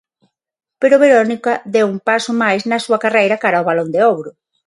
Pero Verónica deu un paso máis na súa carreira cara ao Balón de Ouro.